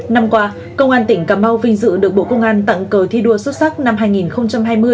năm qua công an tỉnh cà mau vinh dự được bộ công an tặng cờ thi đua xuất sắc năm hai nghìn hai mươi